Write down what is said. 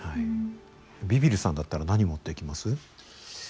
ビビるさんだったら何持っていきます？